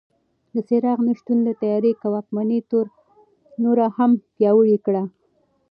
د څراغ نه شتون د تیارې واکمني نوره هم پیاوړې کړه.